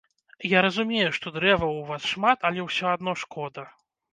Я разумею, што дрэваў у вас шмат, але ўсё адно шкода.